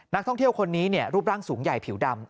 นักท่องเที่ยวคนนี้รูปร่างสูงใหญ่ผิวดำ